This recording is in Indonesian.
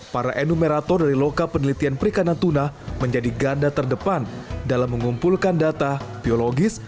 para enumerator dari loka penelitian perikanan tuna menjadi ganda terdepan dalam mengumpulkan data biologis